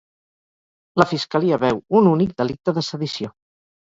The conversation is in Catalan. La Fiscalia veu un únic delicte de sedició.